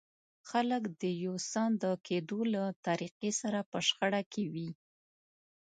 خلک د يو څه د کېدو له طريقې سره په شخړه کې وي.